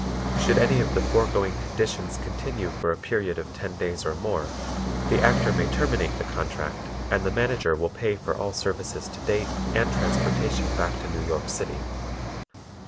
Should any of the foregoing conditions continue for a period of ten days or more, the Actor may terminate the contract and the Manager will pay for all services to date and transportation back to New York City.